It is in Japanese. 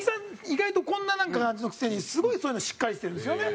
意外とこんな感じのくせにすごいそういうのしっかりしてるんですよね。